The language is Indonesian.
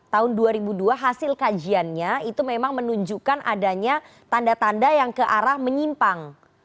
tahun dua ribu dua hasil kajiannya itu memang menunjukkan adanya tanda tanda yang ke arah menyimpang